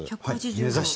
目指して。